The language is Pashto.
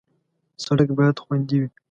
سړک باید خوندي وي.